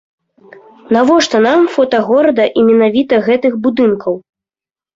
Навошта нам фота горада і менавіта гэтых будынкаў?